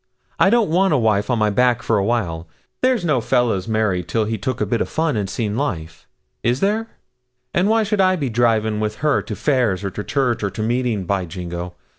I don't want a wife on my back for a while. There's no fellow marries till he's took his bit o' fun, and seen life is there! And why should I be driving with her to fairs, or to church, or to meeting, by jingo!